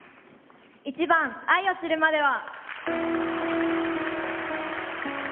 １番「愛を知るまでは」。